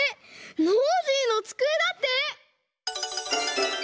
「ノージーのつくえ」だって！